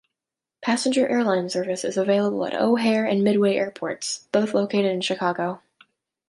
Passenger airline service is available at O'Hare and Midway airports, both located in Chicago.